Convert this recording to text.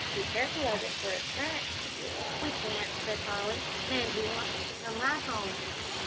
Be careful of it, for it's cracked." "We can't," said Polly, "Mamsie wants us to come right home."